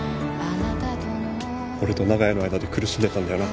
俺と長屋の間で苦しんでたんだよな？